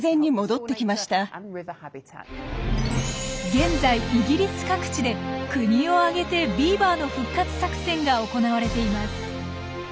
現在イギリス各地で国を挙げてビーバーの復活作戦が行われています。